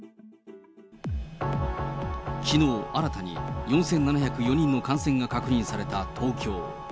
きのう新たに４７０４人の感染が確認された東京。